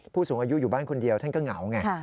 ผู้สูงอายุอยู่บ้านคนเดียวท่านก็เหงาไง